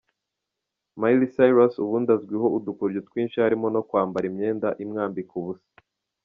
Miley Cyrus ubundi azwiho udukoryo twinshi harimo no kwambara imyenda imwambika ubusa.